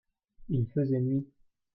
Il faisait nuit.